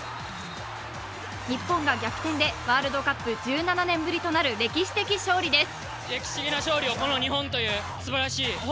日本が逆転でワールドカップ１７年ぶりとなる歴史的勝利です。